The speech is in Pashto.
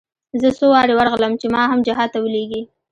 زه څو وارې ورغلم چې ما هم جهاد ته ولېږي.